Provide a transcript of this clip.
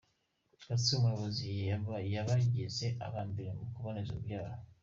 Gatsibo umuyobozi yabagize aba mbere mu kuboneza urubyaro